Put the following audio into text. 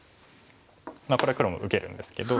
これ黒も受けるんですけど。